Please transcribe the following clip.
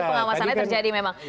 pengawasannya terjadi memang